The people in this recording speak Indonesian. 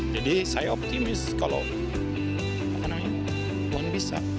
jadi saya optimis kalau tuhan bisa